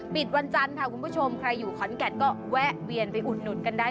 ปิดวันจันทร์คุณผู้ชมใครอยู่เกินแขนก็แวะเวียนอุดหนุดกันได้